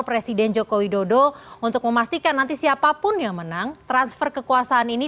presiden joko widodo untuk memastikan nanti siapapun yang menang transfer kekuasaan ini